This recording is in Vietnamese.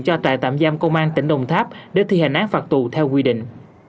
cho trại tạm giam công an tỉnh đồng tháp để thi hành án phạt tù theo quy định